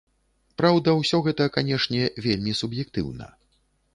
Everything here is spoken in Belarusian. Праўда, усё гэта, канешне, вельмі суб'ектыўна.